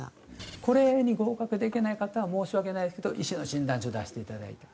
これに合格できない方は申し訳ないですけど医師の診断書出していただいて。